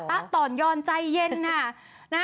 ต่อนยอนใจเย็นค่ะ